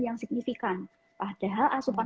yang signifikan padahal asupan